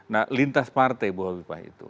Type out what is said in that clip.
nah lintas partai bu hafifah itu